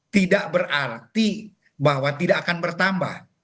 tidak berarti bahwa tidak akan bertambah